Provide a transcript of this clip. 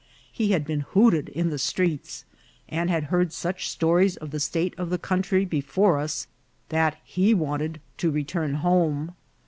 He had been hooted in the streets, and had heard such stories of the state of the country before us that he wanted to return home.